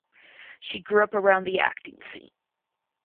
She grew up around the acting scene.